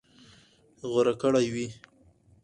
غوره کړى وي.